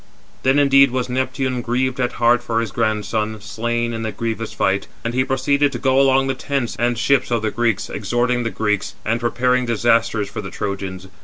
Then indeed was Neptune grieved at heart for his grandson, slain in the grievous fight; and he proceeded to go along the tents and ships of the Greeks, exhorting the Greeks, and prepared disasters for the Trojans.